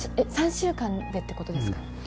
３週間でってことですか？